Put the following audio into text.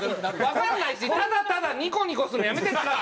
わかんないしただただニコニコするのやめて塚っちゃん。